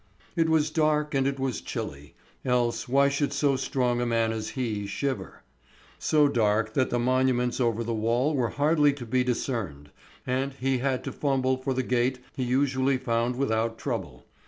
It was dark and it was chilly, else why should so strong a man as he shiver? So dark that the monuments over the wall were hardly to be discerned, and he had to fumble for the gate he usually found without trouble.